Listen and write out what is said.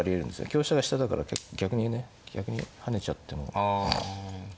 香車が下だから逆にね逆に跳ねちゃっても。